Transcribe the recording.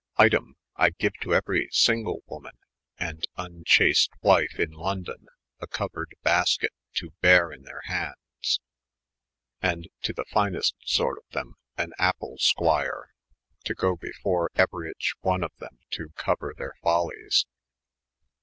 Item, I geue to euery syngle woman and vnchaste wyfa "1 fK ■*° London, a couered Basket, to 'beare in tiieir handes ;& to the iynest sorte of them, an Apple squyre, to go before eueryche of them to couer their foUyes.